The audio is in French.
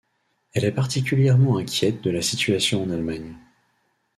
Elle est particulièrement inquiète de la situation en Allemagne.